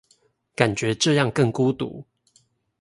感覺這樣更孤獨